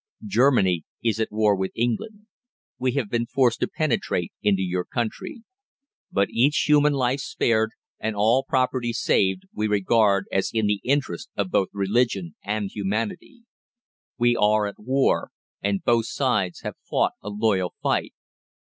Germany is at war with England. We have been forced to penetrate into your country. But each human life spared, and all property saved, we regard as in the interests of both religion and humanity. We are at war, and both sides have fought a loyal fight.